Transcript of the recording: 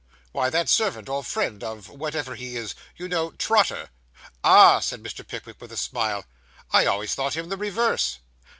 'Why, that servant, or friend, or whatever he is; you know, Trotter.' 'Ah!' said Mr. Pickwick, with a smile. 'I always thought him the reverse.